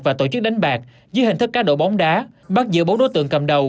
và tổ chức đánh bạc dưới hình thức cá đồ bóng đá bắt giữa bốn đối tượng cầm đầu